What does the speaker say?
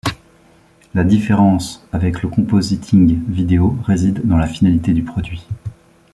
La différence avec le compositing vidéo réside dans la finalité du produit.